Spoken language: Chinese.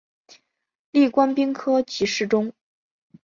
历官兵科给事中。